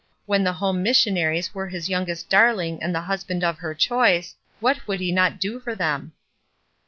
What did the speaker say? When the home missionaries were his youngest darling and the husband of her choice, what would he not do for them